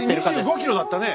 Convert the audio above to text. ２５ｋｇだったね。